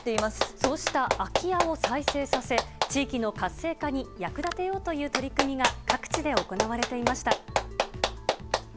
そうした空き家を再生させ、地域の活性化に役立てようという取り組みが各地で行われていました。